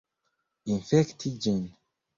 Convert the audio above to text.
Infekti ĝin!